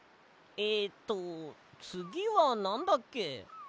えとつぎはなんだっけ？